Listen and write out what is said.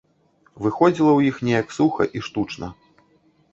Выходзіла ў іх неяк суха і штучна.